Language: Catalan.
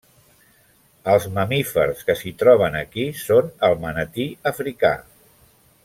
Els mamífers que s'hi troben aquí són el manatí africà.